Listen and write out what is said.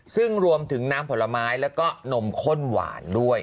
ซึ่งรวมถึงน้ำผลไม้แล้วก็นมข้นหวานด้วย